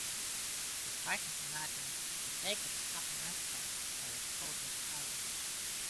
The Spartans imagined that they could stop an earthquake by a soldiers' chorus.